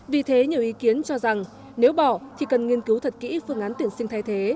vì thế nhiều ý kiến cho rằng nếu bỏ thì cần nghiên cứu thật kỹ phương án tuyển sinh thay thế